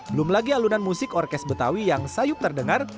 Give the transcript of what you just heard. belum lagi alunan musik orkes betawi yang sayup terdengar